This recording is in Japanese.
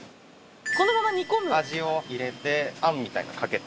このまま煮込む？